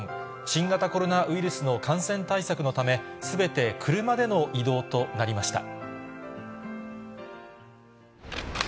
新型コロナウイルスの感染対策のため、すべて車での移動となりました。